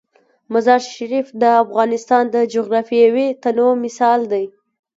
مزارشریف د افغانستان د جغرافیوي تنوع مثال دی.